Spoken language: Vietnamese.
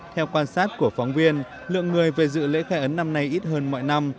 theo quan sát của phóng viên lượng người về dự lễ khai ấn năm nay ít hơn mọi năm